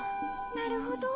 なるほど。